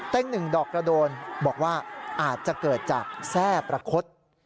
หนึ่งดอกกระโดนบอกว่าอาจจะเกิดจากแทร่ประคด